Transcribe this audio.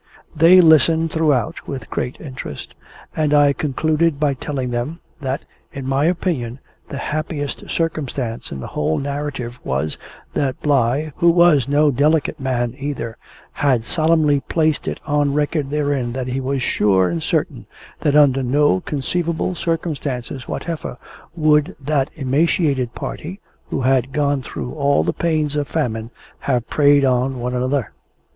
They listened throughout with great interest, and I concluded by telling them, that, in my opinion, the happiest circumstance in the whole narrative was, that Bligh, who was no delicate man either, had solemnly placed it on record therein that he was sure and certain that under no conceivable circumstances whatever would that emaciated party, who had gone through all the pains of famine, have preyed on one another.